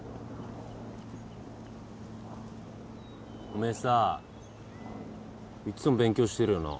おめえさいつも勉強してるよな。